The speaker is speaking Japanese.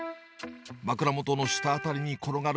枕元の下辺りに転がる